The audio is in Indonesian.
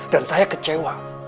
dan saya kecewa